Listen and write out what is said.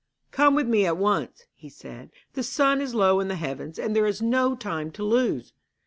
'Come with me at once,' he said. 'The sun is low in the heavens, and there is no time to lose.'